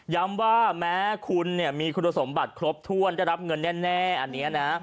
ย้ำว่าแม้คุณมีคุณสมบัติครบถ้วนจะรับเงินแน่อันนี้นะ